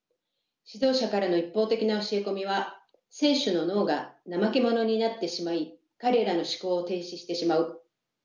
指導者からの一方的な教え込みは選手の脳がナマケモノになってしまい彼らの思考を停止してしまう。